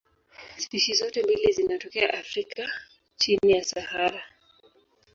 Spishi zote mbili zinatokea Afrika chini ya Sahara.